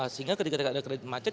sehingga ketika ada kredit macet